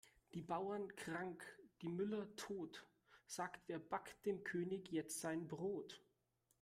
Die Bauern krank, die Müller tot, sagt wer backt dem König jetzt sein Brot?